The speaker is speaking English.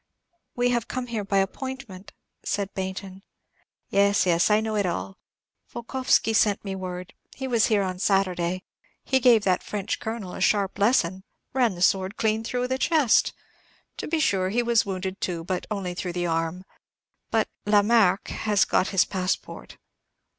"We have come here by appointment," said Baynton. "Yes, yes. I know it all. Volkoffsky sent me word. He was here on Saturday. He gave that French colonel a sharp lesson. Ran the sword clean through the chest. To be sure, he was wounded too, but only through the arm; but 'La Marque' has got his passport."